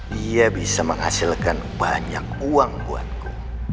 dia bisa menghasilkan banyak uang buatku